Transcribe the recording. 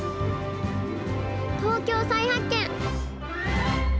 「＃東京再発見」。